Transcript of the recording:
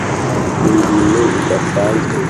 ni ibintu bidasanzwe.